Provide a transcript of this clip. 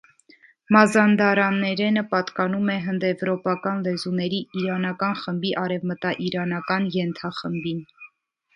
Մազանդարաներենը պատկանում է հնդեվրոպական լեզուների իրանական խմբի արևմտաիրանական ենթախմբին։